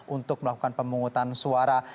untuk melakukan pemungutan suara